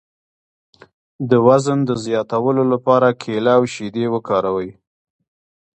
د وزن د زیاتولو لپاره کیله او شیدې وکاروئ